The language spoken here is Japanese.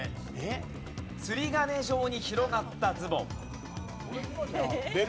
釣鐘状に広がったズボン。